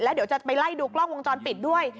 เดี๋ยวจะไปไล่ดูกล้องวงจรปิดด้วย